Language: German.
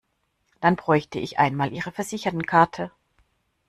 Dann bräuchte ich einmal ihre Versichertenkarte.